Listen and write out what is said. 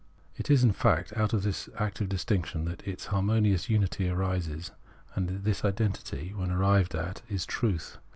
It is, in fact, out of this active distinction that its harmonious unity arises, and this identity, when arrived at, is truth.